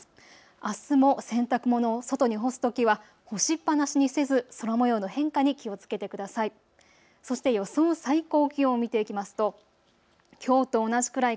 あすも洗濯物を外に干すときは、干しっぱなしにせず空もようの変化に気をつけてください。